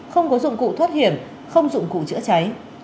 không có dụng cụ thoát hiểm không dụng cụ chữa cháy